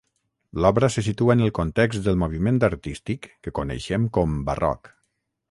L'obra se situa en el context del moviment artístic que coneixem com barroc.